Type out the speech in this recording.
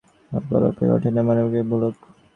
একালে গল্পের কৌতূহলটা হয়ে উঠেছে মনোবিকলনমূলক।